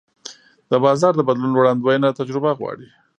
د بازار د بدلون وړاندوینه تجربه غواړي.